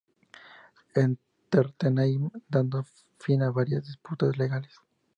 Entertainment, dando fin a varias disputas legales.